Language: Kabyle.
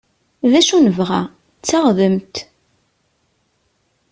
Dacu i nebɣa? D taɣdemt!